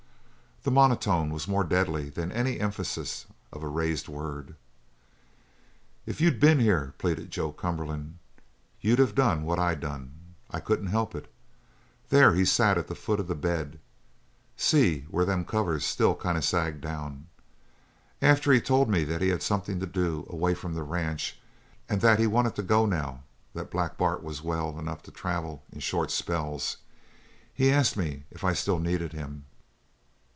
The monotone was more deadly than any emphasis of a raised word. "If you'd been here," pleaded Joe Cumberland, "you'd have done what I done. I couldn't help it. There he sat on the foot of the bed see where them covers still kind of sag down after he told me that he had something to do away from the ranch and that he wanted to go now that Black Bart was well enough to travel in short spells. He asked me if I still needed him."